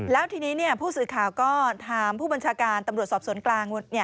แล้วทีนี้ผู้สื่อข่าวก็ถามผู้บัญชาการตำรวจสอบสวนกลาง